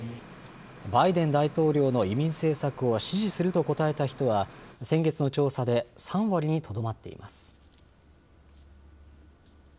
バイデン大統領の移民政策を支持すると答えた人は、先月の調査で３割にとどまっています。